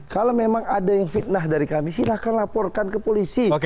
kalau memang ada yang fitnah dari kami silahkan laporkan ke polisi